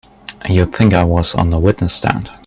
You'd think I was on the witness stand!